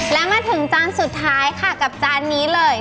แล้วมาถึงจานสุดท้ายค่ะกับจานนี้เลย